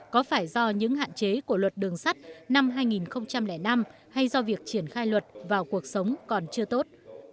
có phải do những hạn chế của luật đường sắt năm hai nghìn năm hay do việc triển khai luật vào cuộc sống còn chưa tốt